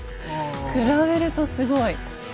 比べるとすごい。